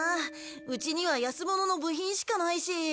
うちには安物の部品しかないし。